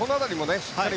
しっかり